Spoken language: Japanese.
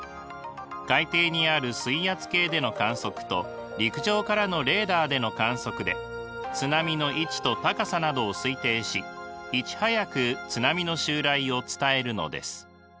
海底にある水圧計での観測と陸上からのレーダーでの観測で津波の位置と高さなどを推定しいち早く津波の襲来を伝えるのです。